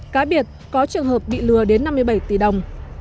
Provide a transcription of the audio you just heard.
cá biệt có trường hợp bị lừa đến năm mươi bảy tỷ đồng